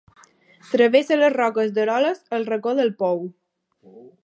Travessa les Roques d'Eroles al Racó del Pou.